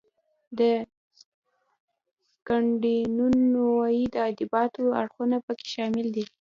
د سکینډینیویايي ادبیاتو اړخونه پکې شامل دي.